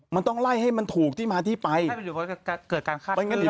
มันต้องไล่ให้มันถูกที่มาที่ไปเกิดการฆ่าไม่งั้นเดี๋ยว